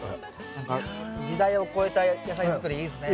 何か時代を超えた野菜づくりいいですね。